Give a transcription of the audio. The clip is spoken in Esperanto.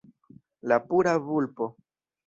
La pura vulpo